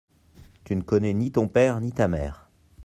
Tu ne connais ni ton père ni ta mère.